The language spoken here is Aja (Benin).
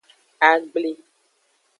Agbli.